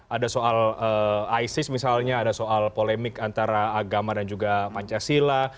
ada soal isis misalnya ada soal polemik antara agama dan juga pancasila